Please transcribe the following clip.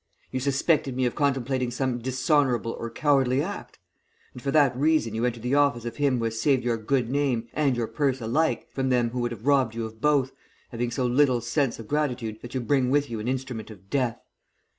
'You suspected me of contemplating some dishonourable or cowardly act, and for that reason you entered the office of him who has saved your good name and your purse alike from them who would have robbed you of both, having so little sense of gratitude that you bring with you an instrument of death.